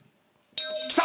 きた！